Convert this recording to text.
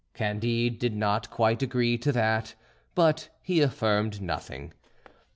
Candide did not quite agree to that, but he affirmed nothing.